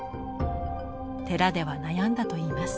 寺では悩んだといいます。